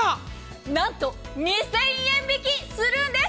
なんと２０００円引きするんです。